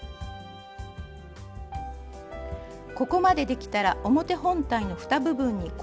ここまでできたら表本体のふた部分にコードをつけます。